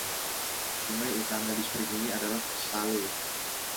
Sungai utama distrik ini adalah Saale.